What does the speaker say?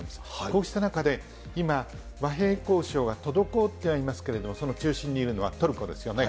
こうした中で、今、和平交渉が滞ってはいますけれども、その中心にいるのはトルコですよね。